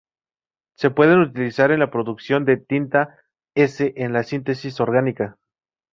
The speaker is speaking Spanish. Se pueden utilizar en la producción de tinta s en la síntesis orgánica.